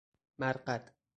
مرقد